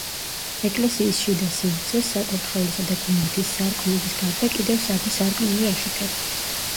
ეკლესიის შიდა სივრცეს, საკურთხევლისა და გუმბათის სარკმლების გარდა, კიდევ სამი სარკმელი აშუქებს.